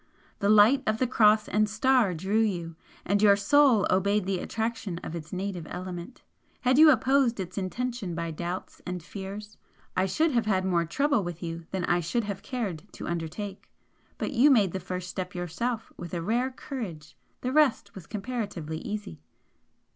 The light of the Cross and Star drew you, and your Soul obeyed the attraction of its native element. Had you opposed its intention by doubts and fears, I should have had more trouble with you than I should have cared to undertake. But you made the first step yourself with a rare courage the rest was comparatively easy."